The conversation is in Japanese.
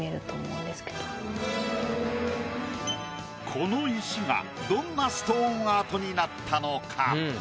この石がどんなストーンアートになったのか？